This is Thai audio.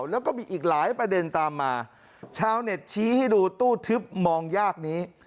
แล้วก็มีอีกหลายประเด็นตามมาชาวเน็ตชี้ให้ดูตู้ทึบมองยากนี้